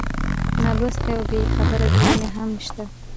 نالوستې او بېخبره ټولنې هم شته.